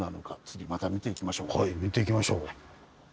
はい見ていきましょう。